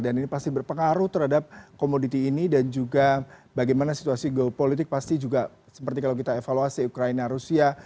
ini pasti berpengaruh terhadap komoditi ini dan juga bagaimana situasi geopolitik pasti juga seperti kalau kita evaluasi ukraina rusia